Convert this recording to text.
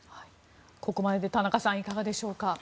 ここまでで田中さんいかがでしょうか？